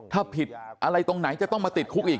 ถ้าผิดอะไรตรงไหนจะต้องมาติดคุกอีก